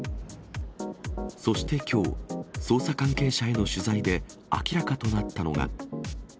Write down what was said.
そしてきょう、捜査関係者への取材で明らかとなったのが。